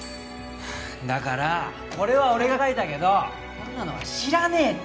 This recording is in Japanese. だからこれは俺が描いたけどこんなのは知らねえって！